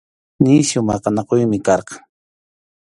Nisyu maqanakuymi karqan.